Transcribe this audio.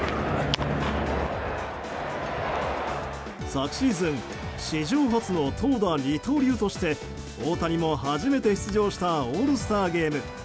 昨シーズン史上初の投打二刀流として大谷も初めて出場したオールスターゲーム。